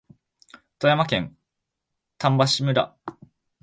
富山県舟橋村